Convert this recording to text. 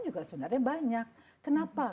juga sebenarnya banyak kenapa